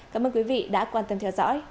cảm ơn quý vị đã quan tâm theo dõi